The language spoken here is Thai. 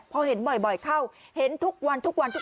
พอเห็นบ่อยเข้าเห็นทุกวันทุกวัน